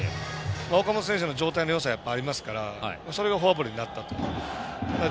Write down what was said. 岡本選手の状態のよさはありますからそれがフォアボールになったと。